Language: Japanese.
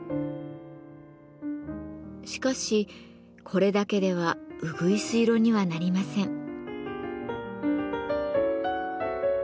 しかしこれだけではうぐいす色にはなりません。